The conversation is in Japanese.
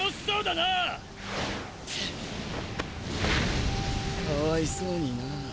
かわいそうになァ。